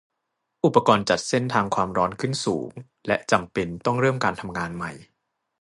อุปกรณ์จัดเส้นทางความร้อนขึ้นสูง และจำเป็นต้องเริ่มการทำงานใหม่